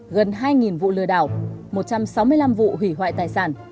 gần hai vụ lừa đảo một trăm sáu mươi năm vụ hủy hoại tài sản